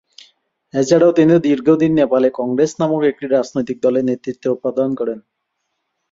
এছাড়াও, তিনি দীর্ঘদিন নেপালি কংগ্রেস নামক একটি রাজনৈতিক দলের নেতৃত্ব প্রদান করেন।